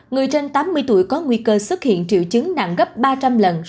người trên tám mươi tuổi có nguy cơ xuất hiện triệu chứng nặng gấp ba trăm linh lần